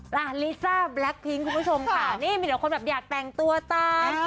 ลิซ่าแบล็คพิ้งคุณผู้ชมค่ะนี่มีแต่คนแบบอยากแต่งตัวตาม